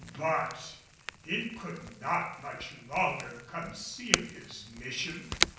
But he could not much longer conceal his mission.